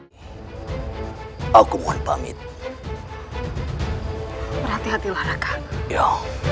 hai aku mau pamit berhati hati warahmat ya